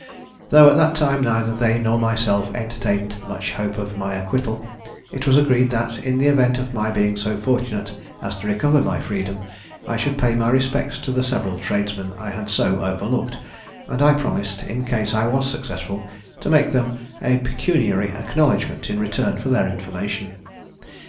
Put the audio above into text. Though at that time neither they nor myself entertained much hope of my acquittal, it was agreed that, in the event of my being so fortunate as to recover my freedom, I should pay my respects to the several tradesmen I had so overlooked; and I promised, in case I was successful, to make them a pecuniary acknowledgment in return for their information.